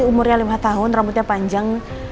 umurnya lima tahun rambutnya panjang